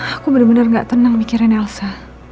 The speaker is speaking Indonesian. aku bener bener gak tenang mikirin elsa